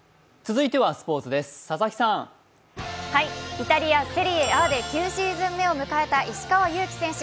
イタリア・セリエＡで９シーズン目を迎えた石川祐希選手。